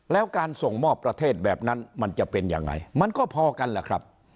แล้วการส่งมอบประเทศแบบนั้นมันจะเป็นยังไงมันก็พอกันแหละครับ